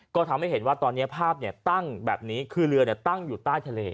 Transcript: ก็ทำให้เห็นว่าตอนนี้ภาพตั้งแบบนี้คือเรือตั้งอยู่ใต้ทะเล